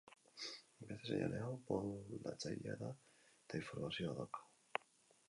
Beste seinale hau modulatzailea da, eta informazioa dauka.